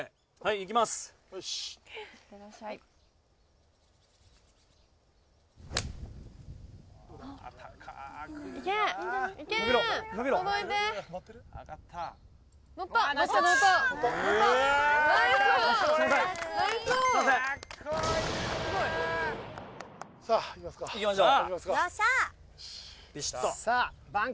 いきましょう。